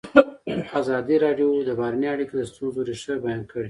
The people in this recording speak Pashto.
ازادي راډیو د بهرنۍ اړیکې د ستونزو رېښه بیان کړې.